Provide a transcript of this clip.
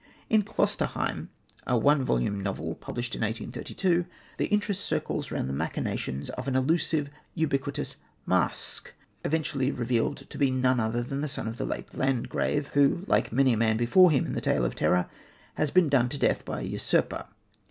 In Klosterheim, a one volumed novel published in 1832, the interest circles round the machinations of an elusive, ubiquitous "Masque," eventually revealed to be none other than the son of the late Landgrave, who, like many a man before him in the tale of terror, has been done to death by a usurper.